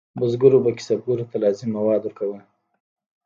بزګرو به کسبګرو ته لازم مواد ورکول.